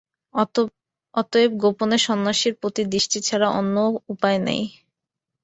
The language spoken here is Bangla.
অতএব গোপনে সন্ন্যাসীর প্রতি দৃষ্টি ছাড়া অন্য উপায় নাই।